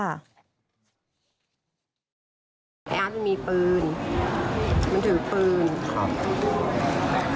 อาร์ทมีปืนมันถือปืน